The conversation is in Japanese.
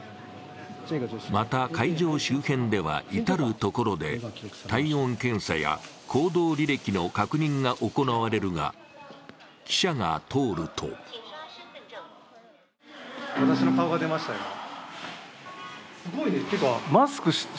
また、会場周辺では至る所で体温検査や行動履歴の確認が行われるが、記者が通ると私の顔が出ましたよ。